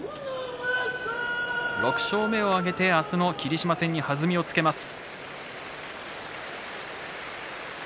６勝目を挙げて明日の霧島戦に弾みをつけます。